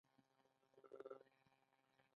د فندق پوستکی د رنګ لپاره وکاروئ